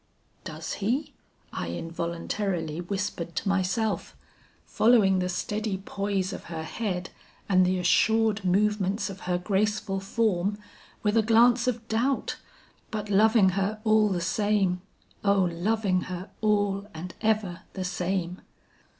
"'Does he?' I involuntarily whispered to myself; following the steady poise of her head and the assured movements of her graceful form, with a glance of doubt, but loving her all the same, O loving her all and ever the same!